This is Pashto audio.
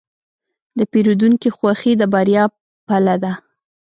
د پیرودونکي خوښي د بریا پله ده.